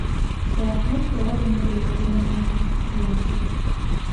Пасля яго смерці валоданні былі падзелены паміж яго спадкаемцамі.